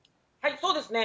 そうですね。